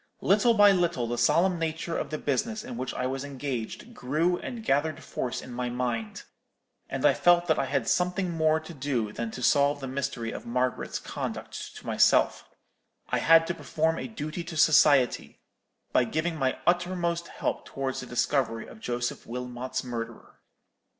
Little by little the solemn nature of the business in which I was engaged grew and gathered force in my mind, and I felt that I had something more to do than to solve the mystery of Margaret's conduct to myself: I had to perform a duty to society, by giving my uttermost help towards the discovery of Joseph Wilmot's murderer.